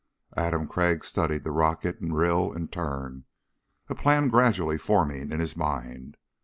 Adam Crag studied the rocket and rill in turn, a plan gradually forming in his mind.